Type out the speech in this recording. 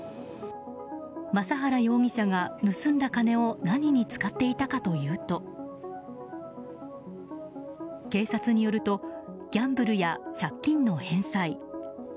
昌原容疑者が、盗んだ金を何に使っていたかというと警察によるとギャンブルや借金の返済。